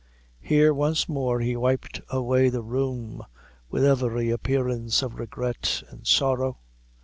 Here once more he wiped away the rheum, with every appearance of regret and sorrow.